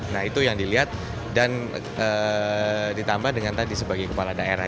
nah itu yang dilihat dan ditambah dengan tadi sebagai kepala daerah